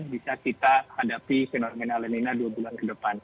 bisa kita hadapi fenomena elemina dua bulan ke depan